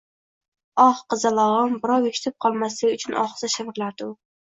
Oh, qizalog`im, birov eshitib qolmasligi uchun ohista shivirlardi u